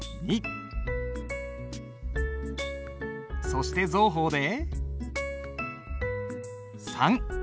そして蔵鋒で３。